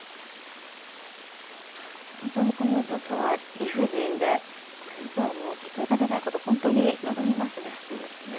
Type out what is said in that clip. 本当にこの状況は理不尽で、これ以上、犠牲が出ないことを本当に望みますね。